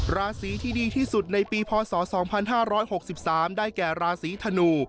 ราศีที่ดีที่สุดในปีพศ๒๕๖๓ได้แก่ราศีธนู